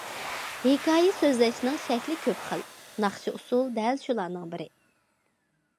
ھېكايە سۆزلەشنىڭ شەكلى كۆپ خىل، ناخشا- ئۇسسۇل دەل شۇلارنىڭ بىرى.